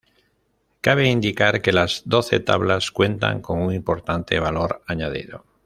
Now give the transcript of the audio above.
Cabe indicar que las doce tablas cuentan con un importante valor añadido.